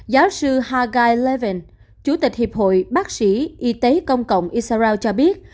giáo sư hargai levin chủ tịch hiệp hội bác sĩ y tế công cộng israel cho biết